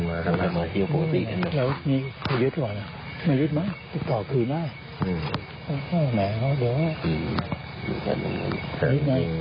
ไม่หยุดมาติดต่อคืนได้